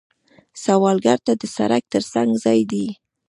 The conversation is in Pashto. سوالګر ته د سړک تر څنګ ځای دی